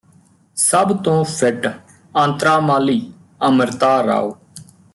ਸਭ ਤੋਂ ਫਿੱਟ ਅੰਤਰਾਮਾਲੀ ਅੰਮ੍ਰਿਤਾ ਰਾਓ